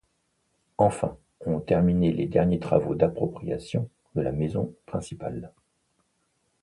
Enfin, on terminait les derniers travaux d’appropriation de la maison principale.